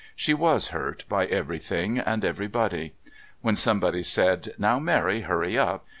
She was hurt by everything and everybody. When somebody said: "Now, Mary, hurry up.